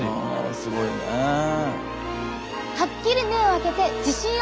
すごいねぇ。